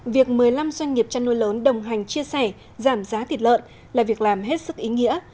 việc một mươi năm doanh nghiệp chăn nuôi lớn đồng hành chia sẻ giảm giá thịt lợn là việc làm hết sức ý nghĩa